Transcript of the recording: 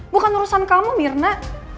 bukan urusan kamu mirna